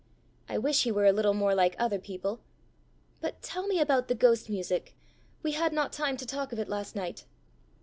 I wish he were a little more like other people! But tell me about the ghost music: we had not time to talk of it last night!"